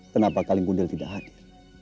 kenapa kaling kundel tidak hadir